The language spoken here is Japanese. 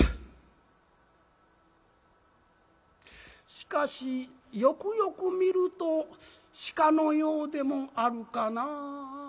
しかしよくよく見ると鹿のようでもあるかな」。